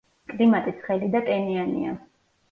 კლიმატი ცხელი და ტენიანია.